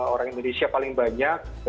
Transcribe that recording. orang indonesia paling banyak